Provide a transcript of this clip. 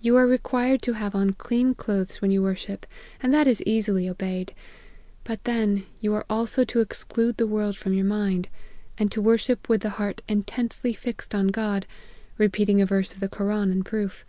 You are required to have on clean clothes when you worship ; and that is easily obeyed : but then you are also to exclude the world from your mind, and to worship with the heart intensely fixed on God, (repeating a verse of the koran in proof.)